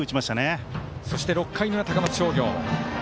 そして６回の裏、高松商業。